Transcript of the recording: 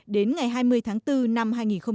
đến ngày hai mươi tháng bốn năm hai nghìn một mươi bảy